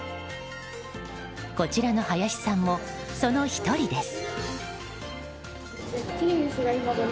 こちらの林さんも、その１人です。